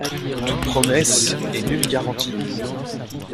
Toute promesse et nulle garantie.